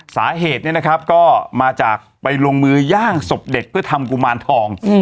สาเหตุเนี่ยนะครับก็มาจากไปลงมืย่างศพเด็กเพื่อทำกุมารทอง